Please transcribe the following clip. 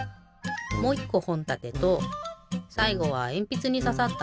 もう１こほんたてとさいごはえんぴつにささった